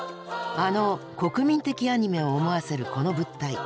あの国民的アニメを思わせるこの物体。